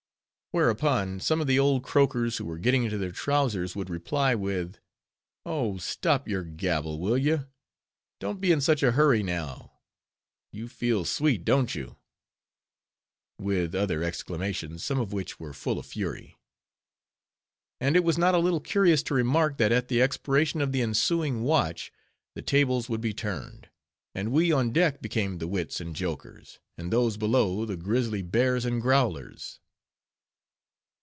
Whereupon some of the old croakers who were getting into their trowsers would reply with—"Oh, stop your gabble, will you? don't be in such a hurry, now. You feel sweet, don't you?" with other exclamations, some of which were full of fury. And it was not a little curious to remark, that at the expiration of the ensuing watch, the tables would be turned; and we on deck became the wits and jokers, and those below the grizzly bears and growlers.